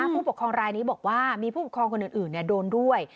ผู้ปกครองรายนี้บอกว่ามีผู้ปกครองคนอื่นโดนด้วย